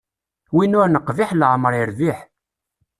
Win ur neqbiḥ leɛmeṛ irbiḥ.